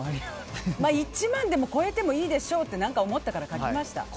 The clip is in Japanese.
１万超えてもいいでしょうって何か思ったから書きました。